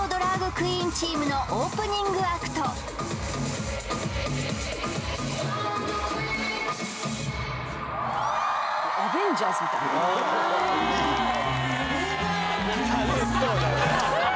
クイーンチームのオープニングアクトイエーイ！